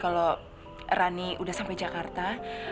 kalau rande sudah sampai jakarta